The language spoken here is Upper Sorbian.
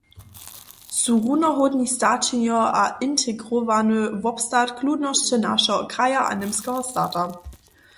Su runohódni staćenjo a integrowany wobstatk ludnosće našeho kraja a němskeho stata.